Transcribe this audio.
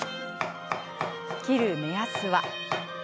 切る目安は。